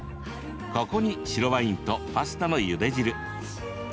ここに白ワインとパスタのゆで汁。